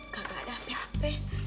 gak ada hp hp